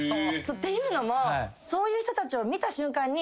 っていうのもそういう人たちを見た瞬間に。